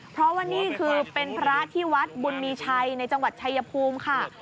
เพราะว่านี่คือเป็นพระที่วัดบุญมีชัยในจังหวัดชายภูมิค่ะ